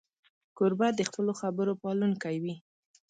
کوربه د خپلو خبرو پالونکی وي.